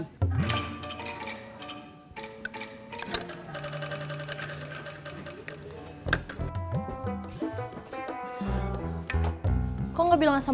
itulah gue nggak bisa dateng